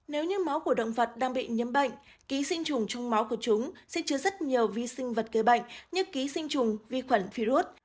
nếu như máu của động vật đang bị nhiễm bệnh ký sinh trùng trong máu của chúng sẽ chứa rất nhiều vi sinh vật kế bệnh như ký sinh trùng vi khuẩn virus